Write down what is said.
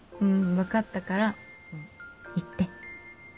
分かったからもう行って。